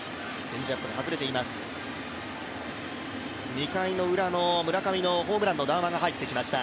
２回ウラの村上のホームランの談話が入ってきました。